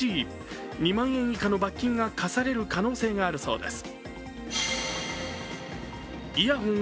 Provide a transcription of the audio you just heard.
２万円以下の罰金が科される可能性もあるそうです。